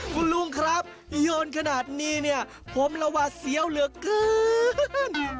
คุณลุงครับโยนขนาดนี้เนี่ยผมละหวาดเสียวเหลือเกิน